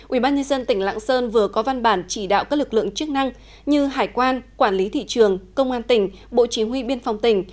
ubnd tỉnh lạng sơn vừa có văn bản chỉ đạo các lực lượng chức năng như hải quan quản lý thị trường công an tỉnh bộ chỉ huy biên phòng tỉnh